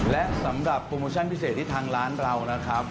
และสำหรับโปรโมชั่นพิเศษที่ทางร้านเรานะครับ